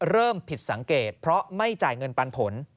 เริ่มผิดสังเกตเพราะไม่จ่ายเงินปันผล